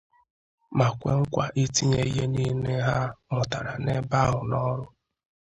ma kwe nkwa itinye ihe niile ha mụtara n'ebe ahụ n'ọrụ.